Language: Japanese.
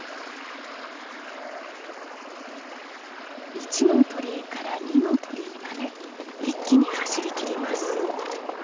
一の鳥居から二の鳥居まで一気に走りきります。